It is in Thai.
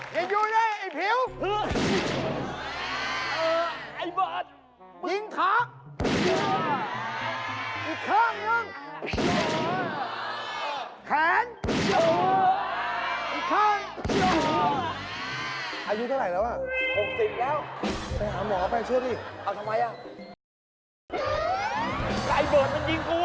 เห้ยเห็นอยู่ไหมไอ้ผิว